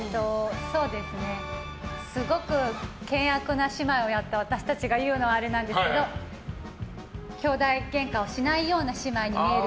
すごく険悪な姉妹をやった私たちが言うのはあれなんですけどきょうだいゲンカをしなそうな姉妹に見える。